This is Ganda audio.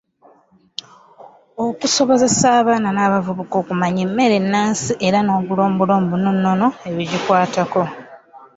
Okusobozesa abaana n’abavubuka okumanya emmere ennansi era n’obulombolombon’ennono ebigikwatako.